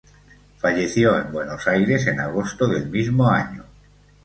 Falleció en Buenos Aires en agosto del mismo año.